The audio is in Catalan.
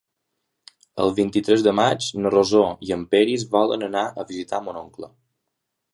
El vint-i-tres de maig na Rosó i en Peris volen anar a visitar mon oncle.